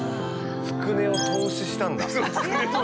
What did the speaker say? つくねを投資したんだ。